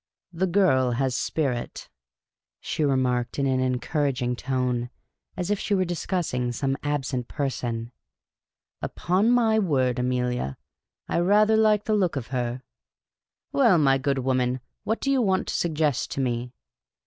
" The girl has spirit," she remarked, in an encour aging tone, as if she were discussing some absent person. " Upon my word, Amelia, I rather like the look of her. Well, my good woman, what do you want to' suggest to me?"